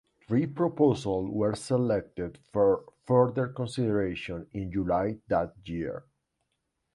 Three proposals were selected for further consideration in July that year.